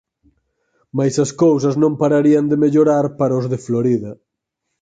Mais as cousas non pararían de mellorar para os de Florida.